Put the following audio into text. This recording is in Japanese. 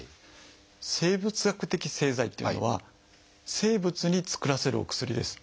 生物学的製剤っていうのは生物に作らせるお薬です。